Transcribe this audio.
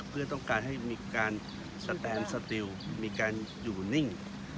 เพื่อต้องการให้มีการสแตนสติลมีการอยู่นิ่ง